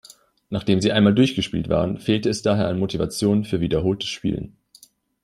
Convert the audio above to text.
Nachdem sie einmal durchgespielt waren, fehlte es daher an Motivation für wiederholtes Spielen.